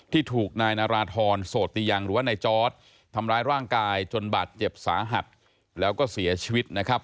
ที่ถูกนายนาราธรโสติยังหรือว่านายจอร์ดทำร้ายร่างกายจนบาดเจ็บสาหัสแล้วก็เสียชีวิตนะครับ